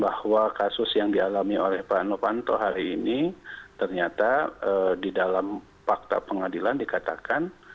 bahwa kasus yang dialami oleh pak novanto hari ini ternyata di dalam fakta pengadilan dikatakan